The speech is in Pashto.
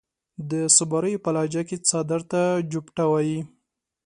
د صبريو پۀ لهجه کې څادر ته جوبټه وايي.